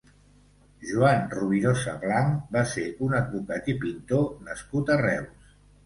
Joan Rovirosa Blanch va ser un advocat i pintor nascut a Reus.